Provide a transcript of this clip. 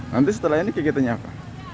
nanti setelah ini kegiatannya apa